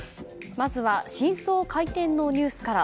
まずは新装開店のニュースから。